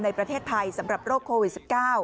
ในประเทศไทยสำหรับโรคโควิด๑๙